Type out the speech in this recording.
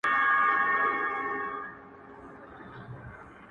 ستا د نامه دسكون توري مي په يــاد كــي نـــــه دي ـ